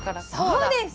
そうです！